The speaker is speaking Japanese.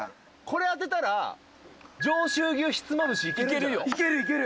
「これ当てたら上州牛ひつまぶしいけるんじゃない？」